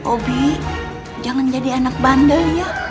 obi jangan jadi anak bandel ya